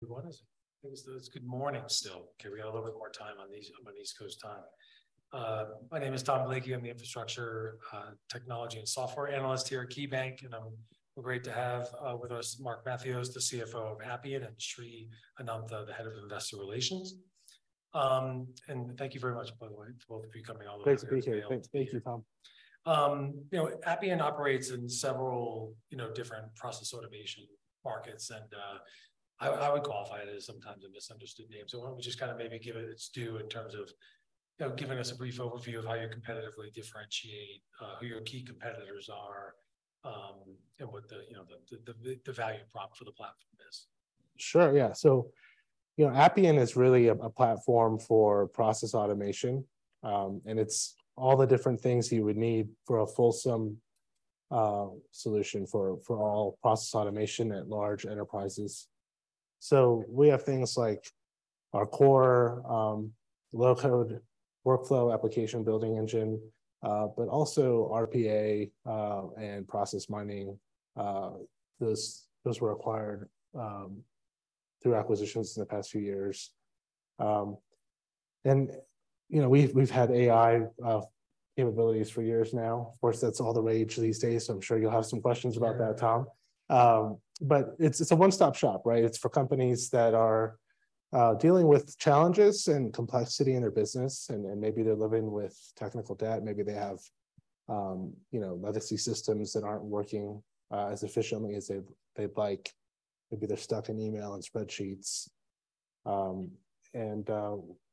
Good morning. I think it's, it's good morning still. Okay, we got a little bit more time on the East, on the East Coast time. My name is Tom Blakey. I'm the Infrastructure, Technology and Software Analyst here at KeyBanc, and we're great to have with us Mark Matheos, the CFO of Appian, and Sri Anantha, the Head of Investor Relations. Thank you very much, by the way, to both of you coming all the way here. Please, appreciate. Thanks. Thank you, Tom. You know, Appian operates in several, you know, different process automation markets, and I, I would qualify it as sometimes a misunderstood name. Why don't we just kind of maybe give it its due in terms of, you know, giving us a brief overview of how you competitively differentiate, who your key competitors are, and what the, you know, the, the, the value prop for the platform is. Sure, yeah. You know, Appian is really a platform for process automation, and it's all the different things you would need for a fulsome solution for, for all process automation at large enterprises. We have things like our core low-code workflow application building engine, but also RPA and Process Mining. Those, those were acquired through acquisitions in the past few years. You know, we've, we've had AI capabilities for years now. Of course, that's all the rage these days, so I'm sure you'll have some questions about that, Tom. Yeah. It's, it's a one-stop shop, right? It's for companies that are dealing with challenges and complexity in their business, and, and maybe they're living with technical debt. Maybe they have, you know, legacy systems that aren't working as efficiently as they'd, they'd like. Maybe they're stuck in email and spreadsheets. You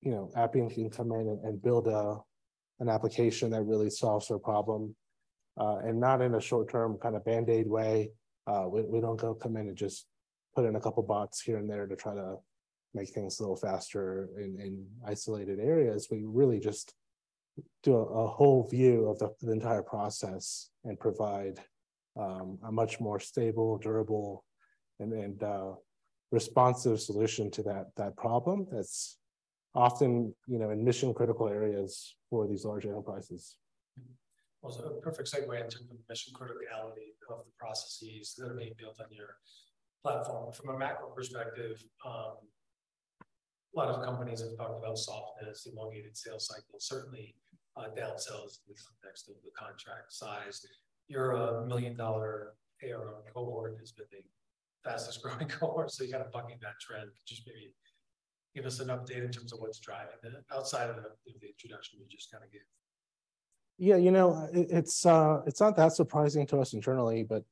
know, Appian can come in and build a, an application that really solves their problem, and not in a short-term, kind of Band-Aid way. We, we don't go come in and just put in a couple bots here and there to try to make things a little faster in, in isolated areas. We really just do a, a whole view of the, the entire process and provide a much more stable, durable, and responsive solution to that, that problem that's often, you know, in mission-critical areas for these large enterprises. Well, a perfect segue into the mission criticality of the processes that are being built on your platform. From a macro perspective, a lot of companies have talked about softness, elongated sales cycles, certainly, downsells in the context of the contract size. Your million-dollar ARR cohort has been the fastest-growing cohort, so you're kind of bucking that trend. Just maybe give us an update in terms of what's driving it, outside of the introduction you just kind of gave. Yeah, you know, it, it's not that surprising to us internally, but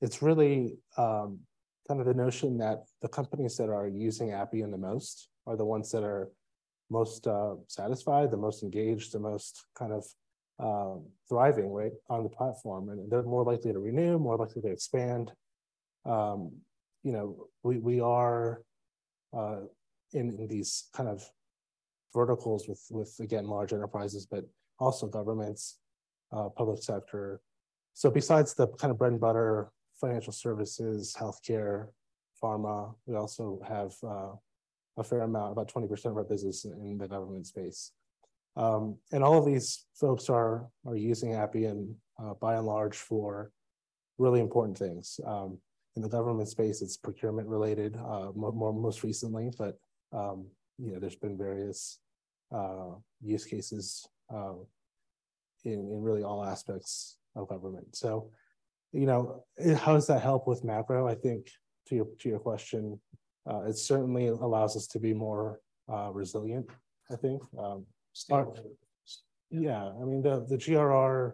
it's really kind of the notion that the companies that are using Appian the most are the ones that are most satisfied, the most engaged, the most kind of thriving, right, on the platform, and they're more likely to renew, more likely to expand. You know, we, we are in these kind of verticals with, with, again, large enterprises, but also governments, public sector. Besides the kind of bread-and-butter financial services, healthcare, pharma, we also have a fair amount, about 20% of our business in the government space. All of these folks are, are using Appian by and large, for really important things. In the government space, it's procurement-related, most recently, but, you know, there's been various use cases in really all aspects of government. You know, how does that help with macro? I think to your, to your question, it certainly allows us to be more resilient, I think. Stable. Yeah. I mean, the GRR,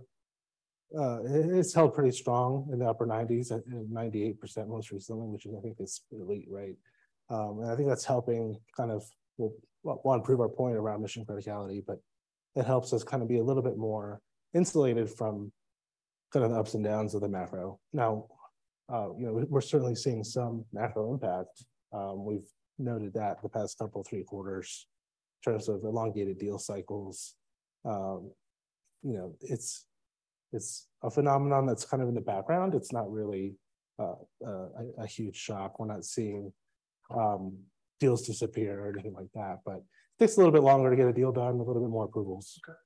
it's held pretty strong in the upper 90s, at 98% most recently, which is I think is elite, right? I think that's helping kind of well, well, improve our point around mission criticality, but it helps us kind of be a little bit more insulated from the ups and downs of the macro. Now, you know, we're certainly seeing some macro impact. We've noted that the past couple, 3 quarters in terms of elongated deal cycles. You know, it's, it's a phenomenon that's kind of in the background. It's not really a huge shock. We're not seeing deals disappear or anything like that, but takes a little bit longer to get a deal done, a little bit more approvals. Okay.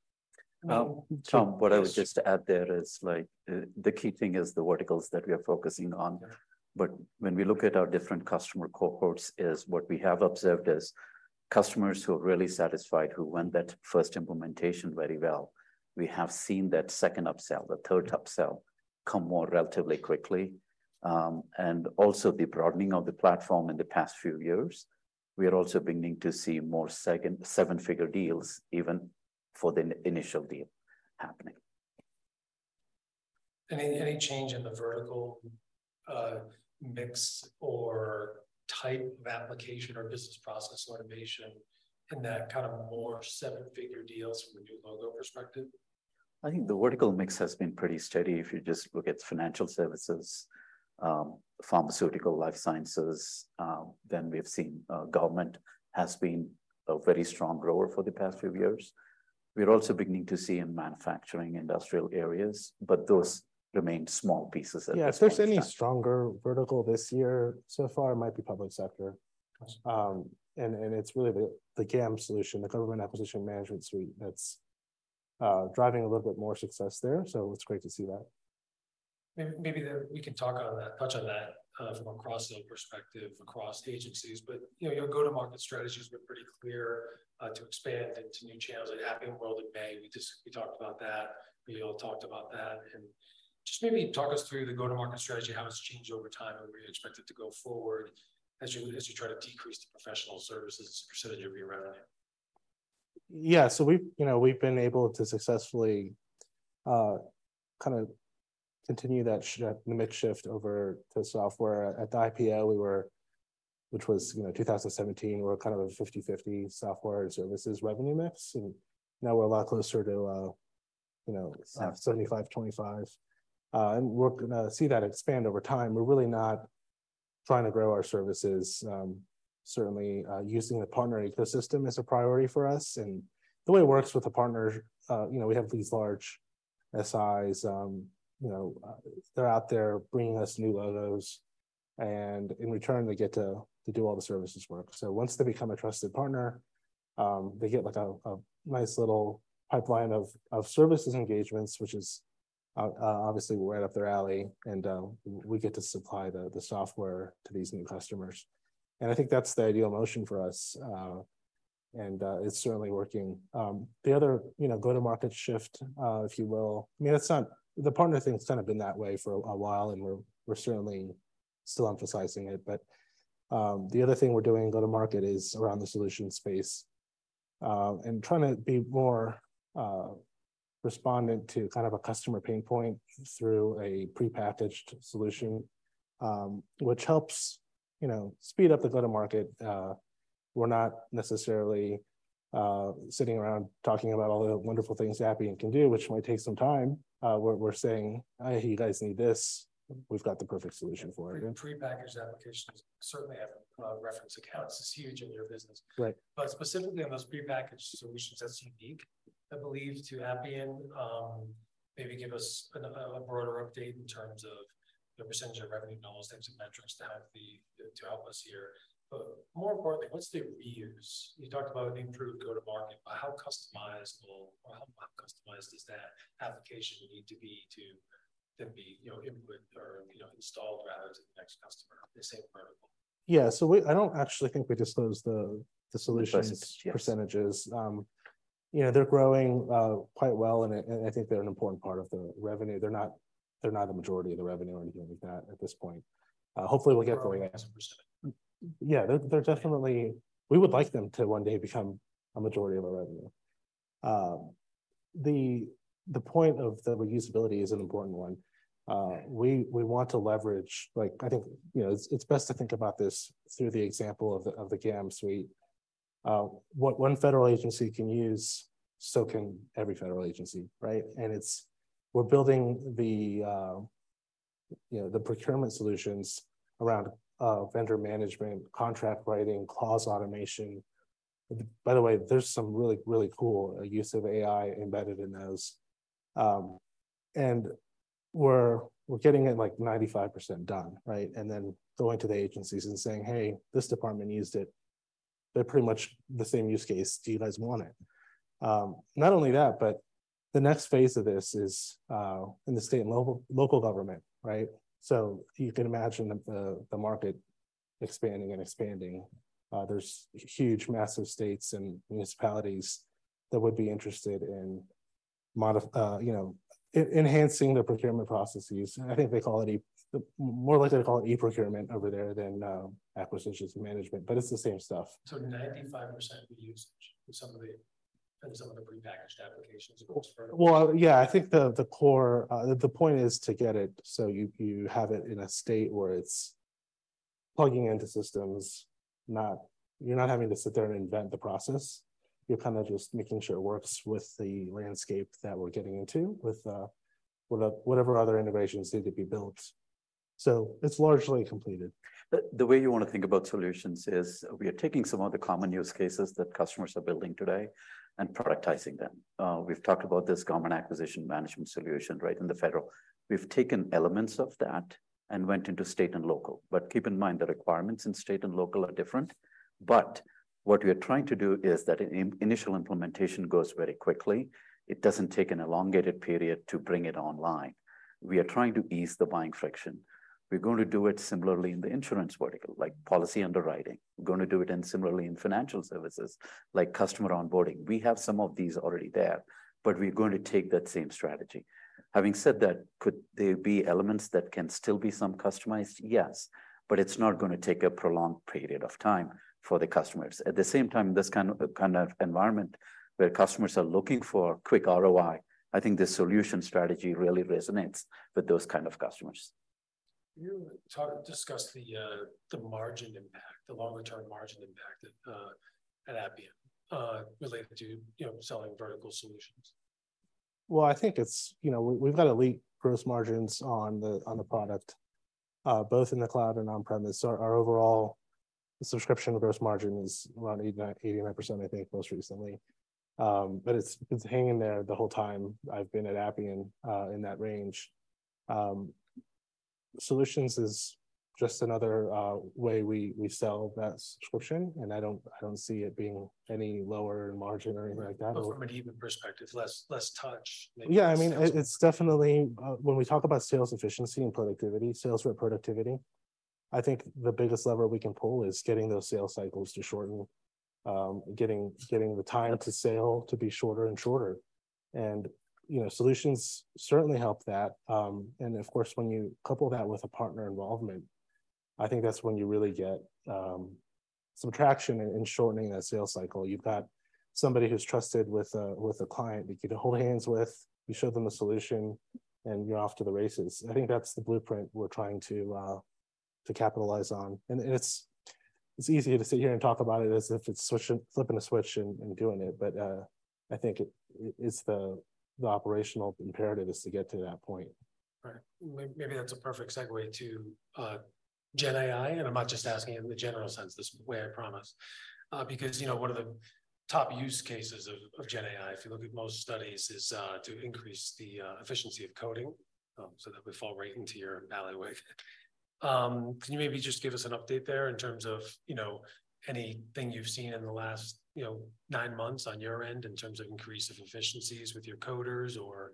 Tom, what I would just add there is, like, the key thing is the verticals that we are focusing on. Yeah. When we look at our different customer cohorts, is what we have observed is customers who are really satisfied, who won that first implementation very well. We have seen that second upsell, the third upsell, come more relatively quickly. The broadening of the platform in the past few years, we are also beginning to see more second 7-figure deals, even for the initial deal happening. Any, any change in the vertical mix or type of application or business process automation in that kind of more 7-figure deals from a new logo perspective? I think the vertical mix has been pretty steady. You just look at financial services, pharmaceutical, life sciences, then we've seen government has been a very strong grower for the past few years. We're also beginning to see in manufacturing, industrial areas, but those remain small pieces at this time. Yeah, if there's any stronger vertical this year, so far, it might be public sector. Yes. And it's really the, the GAM solution, the Government Acquisition Management suite, that's driving a little bit more success there, so it's great to see that. Maybe, maybe then we can talk on that, touch on that, from a cross-sell perspective across agencies. You know, your go-to-market strategies were pretty clear, to expand into new channels like Appian World in May. We talked about that. We all talked about that. Just maybe talk us through the go-to-market strategy, how it's changed over time, and where you expect it to go forward as you, as you try to decrease the professional services percentage of your revenue? Yeah. We've, you know, we've been able to successfully, kind of continue that shift, the mid shift over to software. At the IPO, we were, which was, you know, 2017, we were kind of a 50/50 software services revenue mix, and now we're a lot closer to, you know, 75/25. We're gonna see that expand over time. We're really not trying to grow our services. Certainly, using the partner ecosystem is a priority for us. The way it works with a partner, you know, we have these large SIs, you know, they're out there bringing us new logos, and in return, they get to, to do all the services work. Once they become a trusted partner, they get like a nice little pipeline of services engagements, which is obviously right up their alley. We get to supply the software to these new customers, and I think that's the ideal motion for us, and it's certainly working. The other, you know, go-to-market shift, if you will, I mean, it's not, the partner thing's kind of been that way for a while, and we're certainly still emphasizing it. The other thing we're doing in go-to-market is around the solution space, and trying to be more respondent to kind of a customer pain point through a prepackaged solution, which helps, you know, speed up the go-to-market. We're not necessarily sitting around talking about all the wonderful things Appian can do, which might take some time. We're, we're saying, "You guys need this. We've got the perfect solution for it. Prepackaged applications certainly have reference accounts. It's huge in your business. Right. Specifically on those prepackaged solutions, that's unique, I believe, to Appian. Maybe give us an, a broader update in terms of the % of revenue, those types of metrics to have the, to help us here. More importantly, what's the reuse? You talked about an improved go-to-market, but how customizable or how customizable does that application need to be to, to be, you know, input or, you know, installed rather to the next customer, the same vertical? Yeah. we-- I don't actually think we disclosed the, the solution... The solutions, yeah. ...%. You know, they're growing quite well, and I, and I think they're an important part of the revenue. They're not, they're not the majority of the revenue or anything like that at this point. Hopefully, we'll get there. Growing as a percentage. Yeah, they're, they're definitely. We would like them to one day become a majority of our revenue. The, the point of the reusability is an important one. We, we want to leverage, like, I think, you know, it's, it's best to think about this through the example of the, of the GAM suite. What one federal agency can use, so can every federal agency, right? It's, we're building the, you know, the procurement solutions around vendor management, contract writing, clause automation. By the way, there's some really, really cool use of AI embedded in those. We're, we're getting it, like, 95% done, right? Then going to the agencies and saying: Hey, this department used it. They're pretty much the same use case. Do you guys want it? Not only that, but the next phase of this is in the state and local, local government, right? You can imagine the, the, the market expanding and expanding. There's huge, massive states and municipalities that would be interested in you know, e-enhancing their procurement processes. I think they call it more likely to call it e-procurement over there than acquisitions management, but it's the same stuff. 95% reuse in some of the, in some of the prepackaged applications across vertical? Yeah, I think the, the core, the point is to get it so you, you have it in a state where it's plugging into systems, not. You're not having to sit there and invent the process. You're kinda just making sure it works with the landscape that we're getting into, with, with whatever other innovations need to be built. It's largely completed. The, the way you wanna think about solutions is we are taking some of the common use cases that customers are building today and productizing them. We've talked about this common acquisition management solution, right, in the federal. We've taken elements of that and went into state and local, but keep in mind, the requirements in state and local are different. What we are trying to do is that initial implementation goes very quickly. It doesn't take an elongated period to bring it online. We are trying to ease the buying friction. We're going to do it similarly in the insurance vertical, like policy underwriting. We're gonna do it in similarly in financial services, like customer onboarding. We have some of these already there, we're going to take that same strategy. Having said that, could there be elements that can still be some customized? Yes, it's not going to take a prolonged period of time for the customers. At the same time, this kind of environment where customers are looking for quick ROI, I think the solution strategy really resonates with those kind of customers. Can you talk, discuss the, the margin impact, the longer-term margin impact at Appian, related to, you know, selling vertical solutions? Well, I think it's, you know, we've got elite gross margins on the, on the product, both in the cloud and on-premise. Our overall subscription gross margin is around 89%, I think, most recently. It's, it's hanging there the whole time I've been at Appian, in that range. Solutions is just another way we, we sell that subscription, I don't, I don't see it being any lower in margin or anything like that. From a human perspective, less, less touch maybe... Yeah, I mean, it, it's definitely, when we talk about sales efficiency and productivity, sales rep productivity, I think the biggest lever we can pull is getting those sales cycles to shorten. Getting, getting the time to sale to be shorter and shorter. You know, solutions certainly help that. Of course, when you couple that with a partner involvement, I think that's when you really get, some traction in, in shortening that sales cycle. You've got somebody who's trusted with a, with a client, that you can hold hands with, you show them a solution, and you're off to the races. I think that's the blueprint we're trying to, to capitalize on. It's, it's easier to sit here and talk about it as if it's flipping a switch and, and doing it, but, I think it, it's the, the operational imperative is to get to that point. Right. May- maybe that's a perfect segue to Gen AI, and I'm not just asking in the general sense this way, I promise. Because, you know, one of the top use cases of, of Gen AI, if you look at most studies, is to increase the efficiency of coding, so that we fall right into your alleyway. Can you maybe just give us an update there in terms of, you know, anything you've seen in the last, you know, 9 months on your end, in terms of increase of efficiencies with your coders or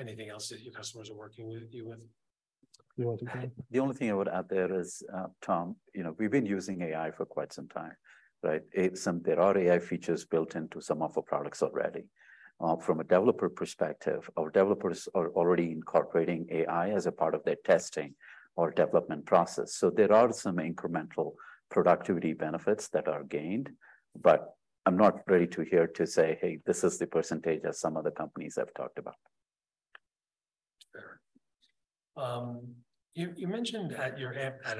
anything else that your customers are working with you with? You want to go? The only thing I would add there is, Tom, you know, we've been using AI for quite some time, right? Some there are AI features built into some of our products already. From a developer perspective, our developers are already incorporating AI as a part of their testing or development process. There are some incremental productivity benefits that are gained, but I'm not ready to hear, to say, "Hey, this is the percentage," as some other companies have talked about. Fair. You, you mentioned at your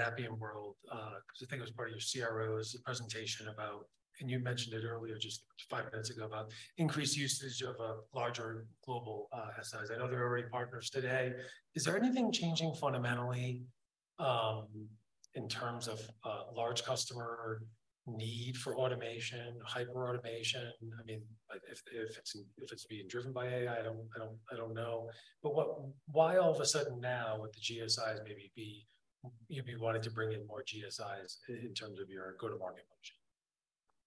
Appian World, because I think it was part of your CRO's presentation about. You mentioned it earlier, just five minutes ago, about increased usage of a larger global SIs. I know there are already partners today. Is there anything changing fundamentally, in terms of large customer need for automation, hyperautomation? I mean, like, if, if it's, if it's being driven by AI, I don't, I don't, I don't know. Why all of a sudden now, with the GSIs, maybe you'd be wanting to bring in more GSIs in terms of your go-to-market function?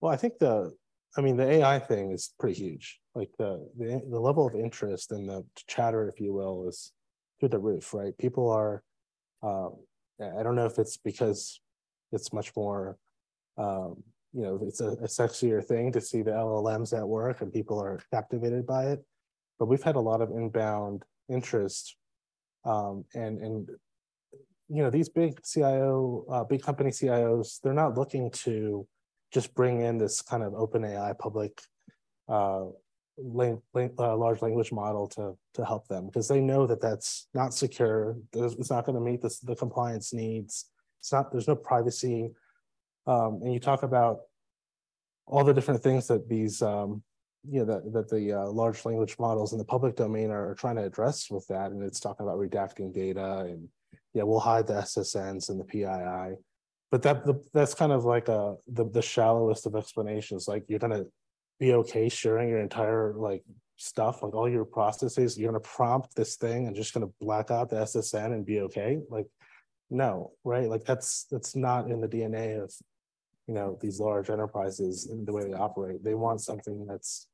Well, I think the... I mean, the AI thing is pretty huge. Like, the, the, the level of interest and the chatter, if you will, is through the roof, right? People are, I don't know if it's because it's much more, you know, it's a, a sexier thing to see the LLMs at work, and people are activated by it, but we've had a lot of inbound interest. You know, these big CIO, big company CIOs, they're not looking to just bring in this kind of OpenAI public AI Large Language Model to, to help them. Because they know that that's not secure, that it's not gonna meet the, the compliance needs. It's not. There's no privacy. And you talk about all the different things that these, you know, that, that the Large Language Models in the public AI are trying to address with that, and it's talking about redacting data, and, yeah, we'll hide the SSNs and the PII. That, the, that's kind of like the shallowest of explanations. You're gonna be okay sharing your entire, like, stuff, like all your processes, you're gonna prompt this thing and just gonna black out the SSN and be okay? No, right? That's, that's not in the DNA of, you know, these large enterprises and the way they operate. They want something that's,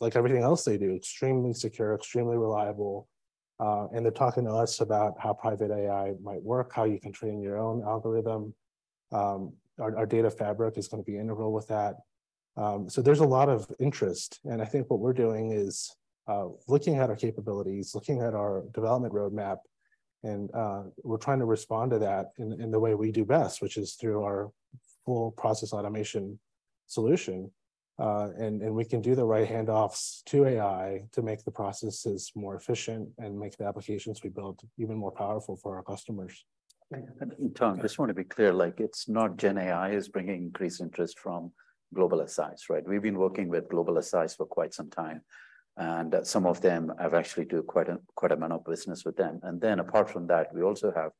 like everything else they do, extremely secure, extremely reliable, and they're talking to us about how Private AI might work, how you can train your own algorithm. Our, our Data Fabric is gonna be integral with that. There's a lot of interest, and I think what we're doing is looking at our capabilities, looking at our development roadmap, and we're trying to respond to that in, in the way we do best, which is through our full process automation solution. And we can do the right handoffs to AI to make the processes more efficient and make the applications we build even more powerful for our customers. Tom, I just want to be clear, like, it's not Gen AI is bringing increased interest from Global SIs, right? We've been working with Global SIs for quite some time, and some of them have actually do quite a, quite amount of business with them. Apart from that, we also have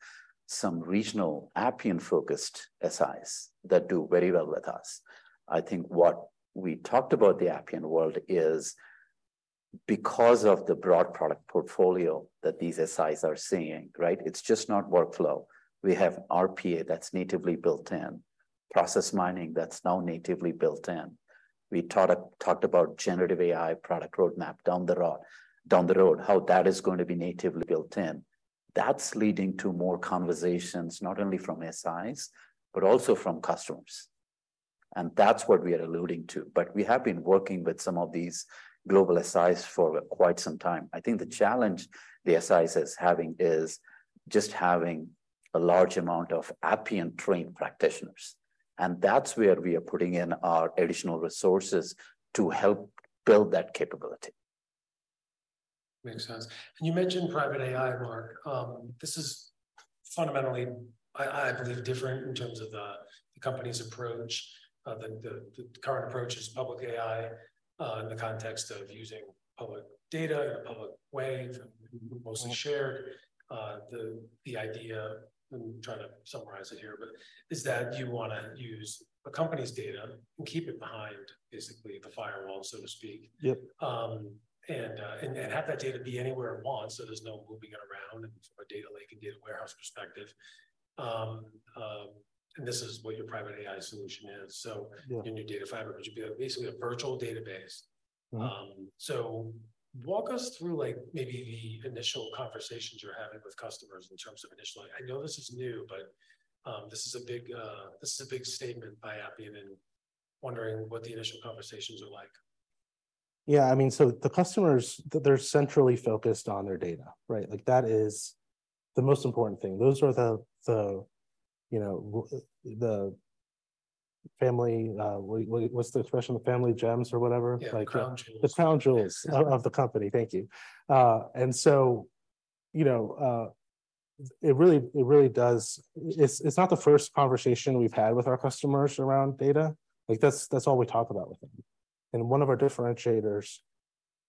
some regional Appian-focused SIs that do very well with us. I think what we talked about the Appian World is because of the broad product portfolio that these SIs are seeing, right? It's just not workflow. We have RPA that's natively built in, Process Mining that's now natively built in. We talked about generative AI product roadmap down the road, down the road, how that is going to be natively built in. That's leading to more conversations, not only from SIs, but also from customers, and that's what we are alluding to. We have been working with some of these global SIs for quite some time. I think the challenge the SIs is having is just having a large amount of Appian-trained practitioners, and that's where we are putting in our additional resources to help build that capability. Makes sense. You mentioned Private AI, Mark. This is fundamentally, I, I believe, different in terms of the, the company's approach. The, the, the current approach is public AI, in the context of using public data, public way, mostly shared. The, the idea, I'm trying to summarize it here, but is that you wanna use a company's data and keep it behind basically the firewall, so to speak. Yep. have that data be anywhere it wants, so there's no moving it around in a data lake and data warehouse perspective. This is what your Private AI solution is. Yeah. In your Data Fabric, which would be basically a virtual database. Walk us through, like, maybe the initial conversations you're having with customers in terms of initially. I know this is new, but this is a big statement by Appian, and wondering what the initial conversations are like. Yeah, I mean, the customers, they're centrally focused on their data, right? Like, that is the most important thing. Those are the, the, you know, the family, what, what, what's the expression? The family gems or whatever- Yeah, crown jewels. The crown jewels of, of the company. Thank you. So, you know, it really, it really does... It's, it's not the first conversation we've had with our customers around data. Like, that's, that's all we talk about with them. One of our differentiators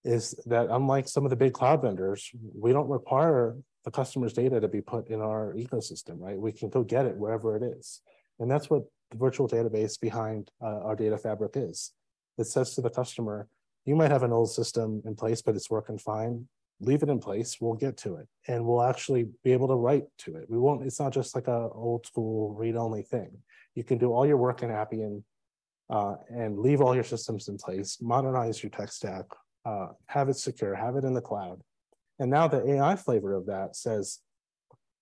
is that unlike some of the big cloud vendors, we don't require the customer's data to be put in our ecosystem, right? We can go get it wherever it is, and that's what the virtual database behind our Data Fabric is. It says to the customer: "You might have an old system in place, but it's working fine. Leave it in place, we'll get to it, and we'll actually be able to write to it." It's not just like an old-school, read-only thing. You can do all your work in Appian, and leave all your systems in place, modernize your tech stack, have it secure, have it in the cloud. Now, the AI flavor of that says: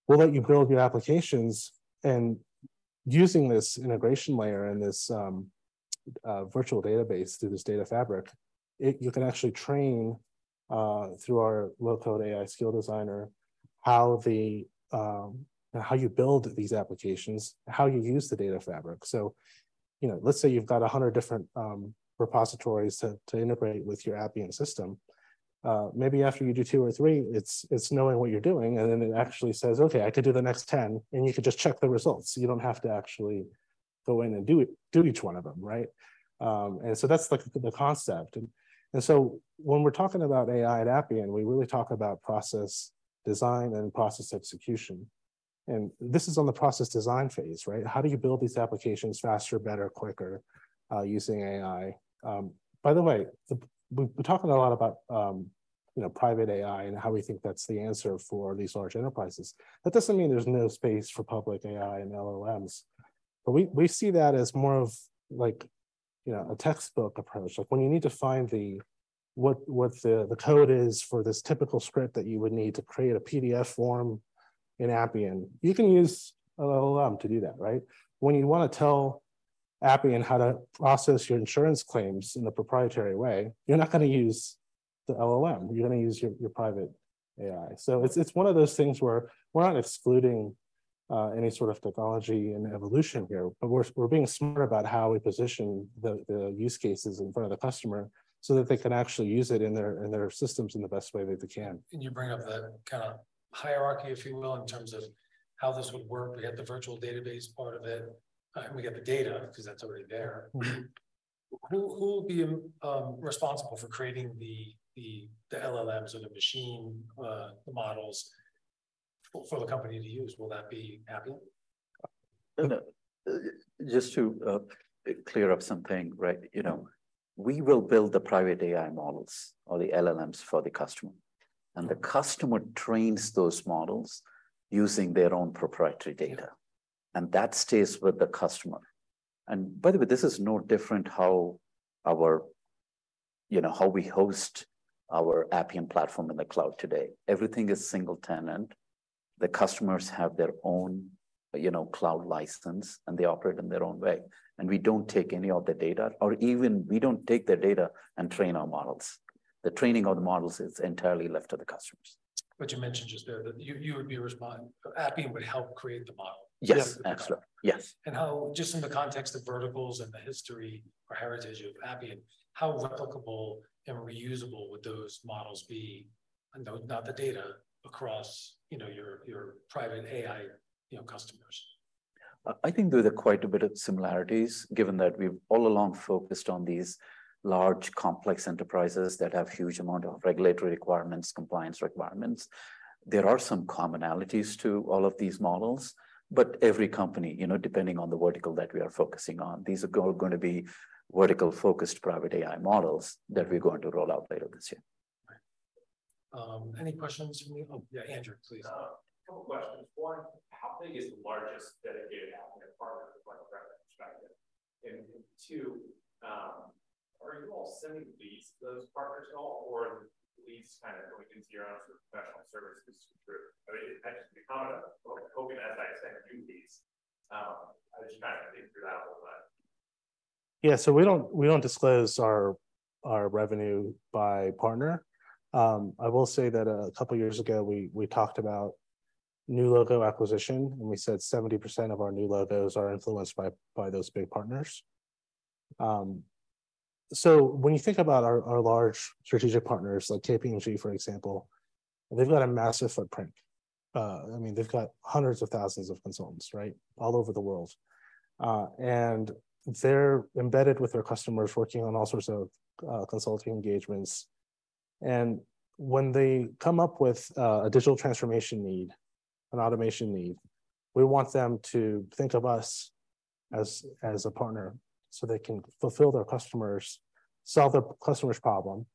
"We'll let you build your applications," and using this integration layer and this virtual database through this Data Fabric, you can actually train through our low-code AI Skill Designer, how the how you build these applications, how you use the Data Fabric. You know, let's say you've got 100 different repositories to, to integrate with your Appian system. Maybe after you do two or three, it's, it's knowing what you're doing, and then it actually says: "Okay, I could do the next 10," and you can just check the results. You don't have to actually go in and do it, do each one of them, right? That's, like, the, the concept. When we're talking about AI at Appian, we really talk about process design and process execution, and this is on the process design phase, right? How do you build these applications faster, better, quicker, using AI? By the way, we've been talking a lot about, you know, Private AI and how we think that's the answer for these large enterprises. That doesn't mean there's no space for public AI and LLMs, but we, we see that as more of, like, you know, a textbook approach. Like, when you need to find the, what, what the, the code is for this typical script that you would need to create a PDF form in Appian, you can use an LLM to do that, right? When you want to tell Appian how to process your insurance claims in a proprietary way, you're not gonna use the LLM. You're gonna use your, your Private AI. It's, it's one of those things where we're not excluding any sort of technology and evolution here, but we're, we're being smarter about how we position the, the use cases in front of the customer so that they can actually use it in their, in their systems in the best way that they can. Can you bring up the kinda hierarchy, if you will, in terms of how this would work? We have the virtual database part of it. We got the data because that's already there. Mm-hmm. Who, who will be responsible for creating the, the, the LLMs or the machine, the models for the company to use? Will that be Appian? Just to clear up something, right, you know, we will build the Private AI models or the LLMs for the customer, and the customer trains those models using their own proprietary data, and that stays with the customer. By the way, this is no different how our, you know, how we host our Appian platform in the cloud today. Everything is single tenant. The customers have their own, you know, cloud license, and they operate in their own way, and we don't take any of the data, or even we don't take their data and train our models. The training of the models is entirely left to the customers. What you mentioned just there, that you, you would be respond-- Appian would help create the model? Yes, absolutely. Yes. How, just in the context of verticals and the history or heritage of Appian, how replicable and reusable would those models be, and though, not the data, across, you know, your, your Private AI, you know, customers? I think there are quite a bit of similarities, given that we've all along focused on these large, complex enterprises that have huge amount of regulatory requirements, compliance requirements. There are some commonalities to all of these models, but every company, you know, depending on the vertical that we are focusing on, these are going to be vertical-focused Private AI models that we're going to roll out later this year. Right. Any questions from you? Oh, yeah, Andrew, please. A couple questions. 1, how big is the largest dedicated Appian partner from a revenue perspective? 2, are you all sending leads to those partners at all, or are leads kind of what we can see around for professional services group? It kind of, open as I said, new leads. I'm just trying to think through that a little bit. Yeah. We don't, we don't disclose our, our revenue by partner. I will say that a couple years ago, we, we talked about new logo acquisition, and we said 70% of our new logos are influenced by, by those big partners. When you think about our, our large strategic partners, like KPMG, for example, they've got a massive footprint. I mean, they've got hundreds of thousands of consultants, right? All over the world. They're embedded with their customers, working on all sorts of consulting engagements. When they come up with a digital transformation need, an automation need, we want them to think of us as, as a partner, so they can fulfill their customers', solve their customer's problem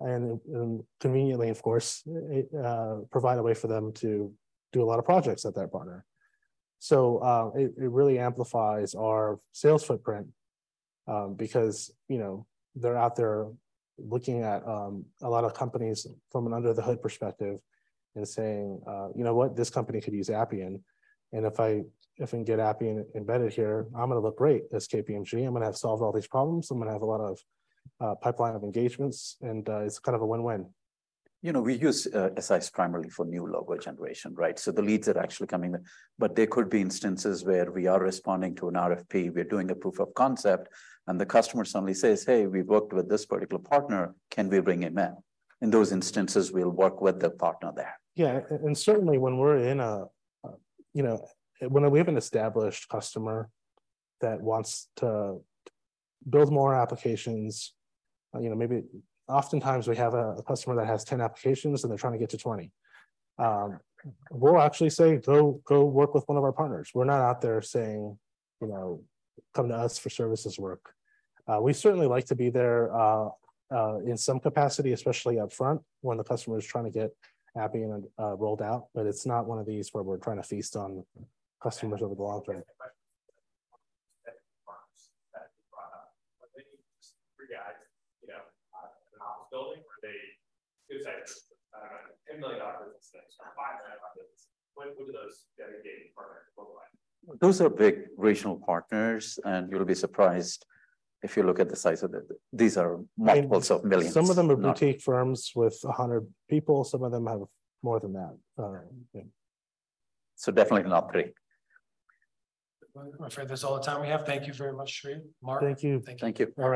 and, and conveniently, of course, provide a way for them to do a lot of projects at that partner. It, it really amplifies our sales footprint, because, you know, they're out there looking at a lot of companies from an under-the-hood perspective and saying: "You know what? This company could use Appian, and if I, if I can get Appian embedded here, I'm gonna look great as KPMG. I'm gonna have solved all these problems. I'm gonna have a lot of pipeline of engagements." It's kind of a win-win. You know, we use size primarily for new logo generation, right? The leads are actually coming in, but there could be instances where we are responding to an RFP, we're doing a proof of concept, and the customer suddenly says: "Hey, we've worked with this particular partner. Can we bring him in?" In those instances, we'll work with the partner there. Yeah, and certainly when we're in a, you know, when we have an established customer that wants to build more applications, you know, maybe oftentimes we have a, a customer that has 10 applications, and they're trying to get to 20. We'll actually say: "Go, go work with one of our partners." We're not out there saying, you know, "Come to us for services work." We certainly like to be there, in some capacity, especially up front, when the customer is trying to get Appian rolled out, but it's not one of these where we're trying to feast on customers of the partner. firms that you brought up, are they just three guys, you know, in an office building, or are they, I don't know, $10 million in space or $5 million? What, what do those dedicated partners look like? Those are big regional partners, and you'll be surprised if you look at the size of these are multiples of millions. Some of them are boutique firms with 100 people. Some of them have more than that, yeah. Definitely not three. Well, I'm afraid that's all the time we have. Thank you very much, Sri, Mark. Thank you. Thank you. All right.